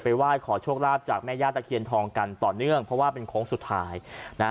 ไหว้ขอโชคลาภจากแม่ย่าตะเคียนทองกันต่อเนื่องเพราะว่าเป็นโค้งสุดท้ายนะฮะ